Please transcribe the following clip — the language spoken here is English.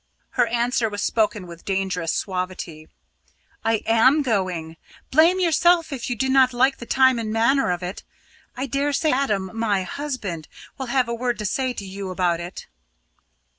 Her answer was spoken with dangerous suavity "I am going. Blame yourself if you do not like the time and manner of it. I daresay Adam my husband will have a word to say to you about it!"